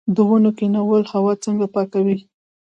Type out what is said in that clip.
د ونو کینول هوا څنګه پاکوي؟